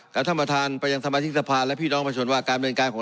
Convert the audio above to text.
กับท่านประธานประหยังสมาชิกสะพานและพี่น้องประชวนว่าการเมื่องการของ